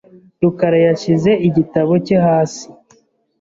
rukara yashyize igitabo cye hasi .